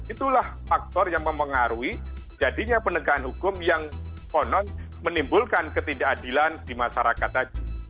itulah faktor yang mempengaruhi jadinya penegakan hukum yang konon menimbulkan ketidakadilan di masyarakat tadi